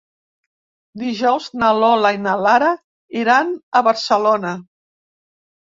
Dijous na Lola i na Lara iran a Barcelona.